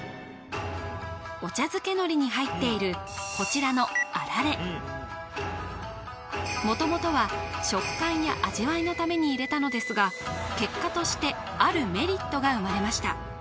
お茶づけ海苔に入っているこちらのあられもともとは食感や味わいのために入れたのですが結果としてあるメリットが生まれました